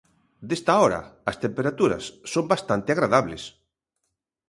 Desta hora as temperaturas son bastante agradables.